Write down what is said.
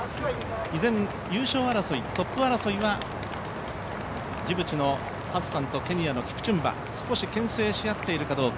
依然優勝争い、トップ争いはジブチのハッサンとケニアのキプチュンバ、少しけん制し合っているかどうか。